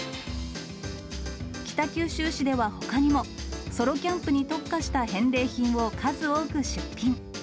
北九州市ではほかにも、ソロキャンプに特化した返礼品を数多く出品。